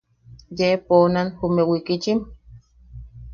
¿Yee poonan jume wikichim?